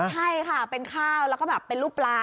ใช่ค่ะเป็นข้าวแล้วก็แบบเป็นรูปปลา